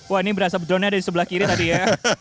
wah ini berasa dronenya ada di sebelah kiri tadi ya